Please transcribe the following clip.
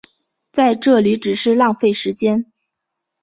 在这里只是浪费时间